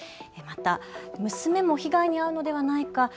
また、娘も被害に遭うのではないか